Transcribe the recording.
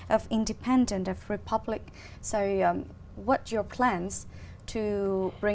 ông ấy đang tưởng tượng về tương lai